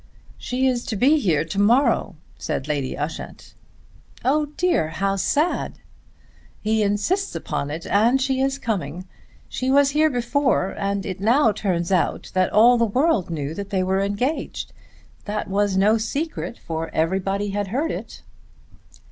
"She is to be here to morrow," said Lady Ushant. "Oh dear, how sad!" "He insists upon it, and she is coming. She was here before, and it now turns out that all the world knew that they were engaged. That was no secret, for everybody had heard it."